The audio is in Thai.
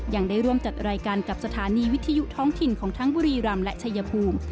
ยังได้ร่วมจัดรายการกับสถานีวิทยุท้องถิ่นของทั้งบุรีรำและชายภูมิ